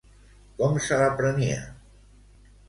Com se la prenia?